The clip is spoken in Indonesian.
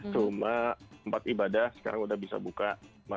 cuma empat ibadah sekarang udah bisa buka